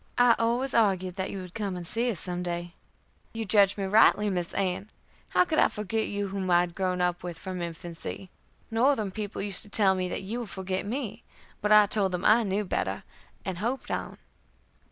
I always argued that you would come and see us some day." "You judged me rightly, Miss Ann[e]. How could I forget you whom I had grown up with from infancy. Northern people used to tell me that you would forget me, but I told them I knew better, and hoped on."